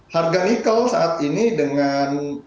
harga nikel saat ini dengan